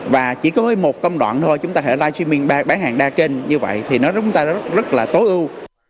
và chỉ có với một công đoạn thôi chúng ta có thể live streaming bán hàng đa kênh như vậy thì nó rất là tối ưu